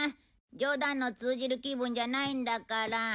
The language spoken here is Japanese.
冗談の通じる気分じゃないんだから。